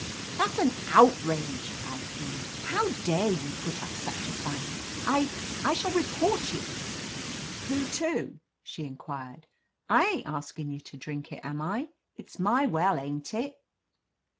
"That's an outrage," I fumed. "How dare you put up such a sign! I — ^I shall report you!" "Who to ?" she inquired. "I ain't askin' you to drink it, am I ? It's my well, ain't it